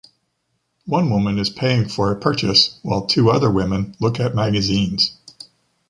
One woman is paying for a purchase, while two other women look at magazines.